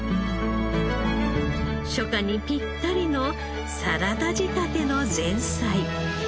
初夏にピッタリのサラダ仕立ての前菜。